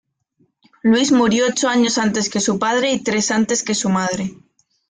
Luis murió ocho años antes que su padre y tres antes que su madre.